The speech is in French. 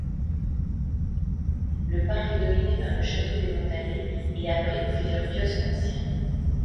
Le parc est dominé par le château des Montalets et abrite plusieurs kiosques anciens.